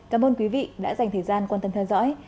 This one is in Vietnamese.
cảm ơn quý vị đã dành thời gian quan tâm theo dõi